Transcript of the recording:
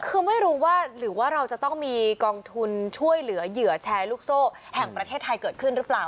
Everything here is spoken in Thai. คือไม่รู้ว่าหรือว่าเราจะต้องมีกองทุนช่วยเหลือเหยื่อแชร์ลูกโซ่แห่งประเทศไทยเกิดขึ้นหรือเปล่า